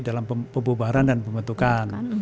dalam pembubaran dan pembentukan